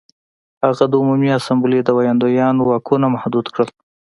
هغه د عمومي اسامبلې د ویاندویانو واکونه محدود کړل